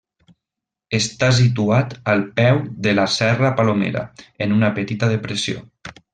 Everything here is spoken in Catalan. Està situat al peu de la Serra Palomera, en una petita depressió.